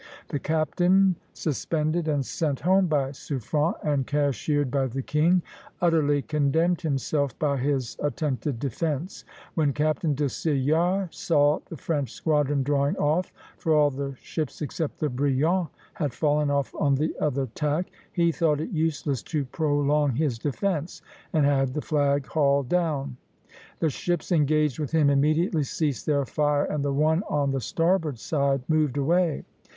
The captain, suspended and sent home by Suffren, and cashiered by the king, utterly condemned himself by his attempted defence: "When Captain de Cillart saw the French squadron drawing off, for all the ships except the 'Brilliant' had fallen off on the other tack, he thought it useless to prolong his defence, and had the flag hauled down. The ships engaged with him immediately ceased their fire, and the one on the starboard side moved away.